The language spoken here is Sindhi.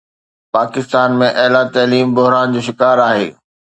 پاڪستان ۾ اعليٰ تعليم بحران جو شڪار آهي.